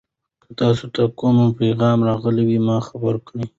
که تاسي ته کوم پیغام راغی ما خبر کړئ.